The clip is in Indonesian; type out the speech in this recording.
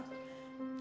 kerja ya benar